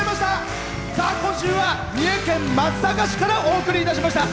今週は三重県松阪市からお送りいたしました。